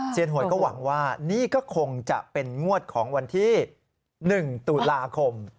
หวยก็หวังว่านี่ก็คงจะเป็นงวดของวันที่๑ตุลาคม